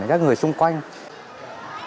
đến các người xung quanh